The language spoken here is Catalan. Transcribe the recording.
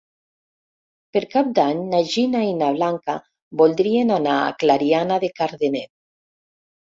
Per Cap d'Any na Gina i na Blanca voldrien anar a Clariana de Cardener.